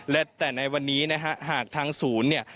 และแต่ในวันนี้นะฮะหากทางศูนย์เนี่ย